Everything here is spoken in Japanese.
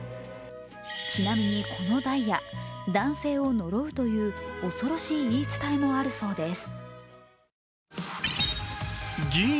ちなみに、このダイヤ、男性をのろうという恐ろしい言い伝えもあるそうです。